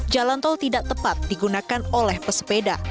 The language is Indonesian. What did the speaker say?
jalan tol tidak tepat digunakan oleh pesepeda